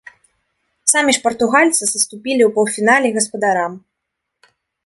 Самі ж партугальцы саступілі ў паўфінале гаспадарам.